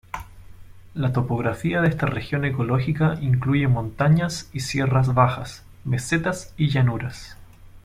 La topografía de esta región ecológica incluye montañas y sierras bajas, mesetas y llanuras.